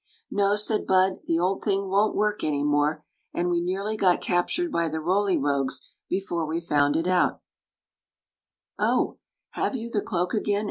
"No," said Bud; "the old thing won't w&rk my more; and we nearly got captured by the Roly Rogues before we found it out" " Oh, have you the cloak again